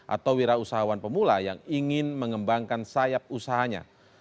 atau wira usahawan pemula yang ingin mengembangkan sayap usahanya